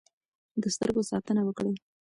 د سترګو ساتنه وکړئ.